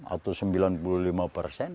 atau sembilan puluh lima persen